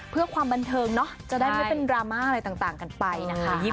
เพื่อความบันเทิงเนาะจะได้ไม่เป็นดราม่าอะไรต่างกันไปนะคะ